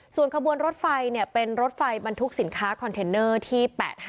ส่วนขบวนรถไฟเป็นรถไฟบรรทุกสินค้าคอนเทนเนอร์ที่๘๕